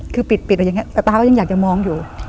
คือปิดแต่ตาก็ยังอยากจะมองอยู่